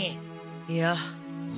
いや。